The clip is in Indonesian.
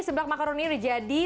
sebelah makaroni udah jadi